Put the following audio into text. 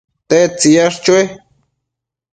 ¿tedtsi yash chue